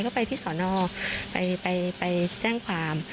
ก็ไปที่สอนอไปแจ้งความ